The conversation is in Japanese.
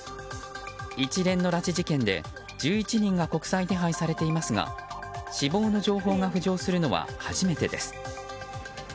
一連の拉致事件で１１人が国際手配されていますが死亡の情報が浮上するのは初めてです。